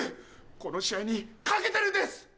この試合に懸けてるんです！